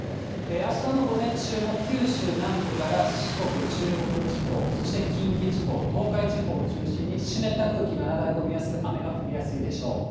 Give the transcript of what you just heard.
あしたの午前中も九州南部から四国、中国地方、そして近畿地方、東海地方を中心に、湿った空気が流れ込みやすく、雨が降りやすいでしょう。